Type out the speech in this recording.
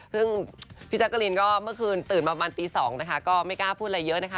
ซึ่งพี่แจ๊กกะลินก็เมื่อคืนตื่นประมาณตี๒นะคะก็ไม่กล้าพูดอะไรเยอะนะคะ